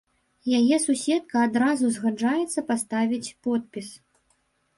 Яе суседка адразу згаджаецца паставіць подпіс.